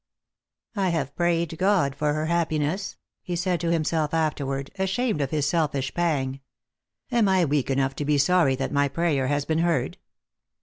" I have prayed God for her happiness," he said to himself afterward, ashamed of his selfish pang. " Am I weak enough to be sorry that my prayer has been heard